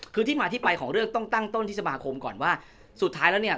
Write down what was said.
คือที่มาที่ไปของเรื่องต้องตั้งต้นที่สมาคมก่อนว่าสุดท้ายแล้วเนี่ย